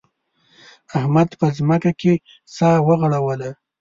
احمد په ځمکه کې سا وغوړوله.